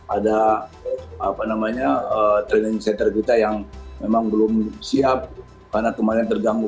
ada training center kita yang memang belum siap karena kemarin terganggu